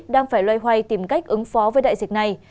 đang phải loay hoay tìm cách ứng phó với đại dịch này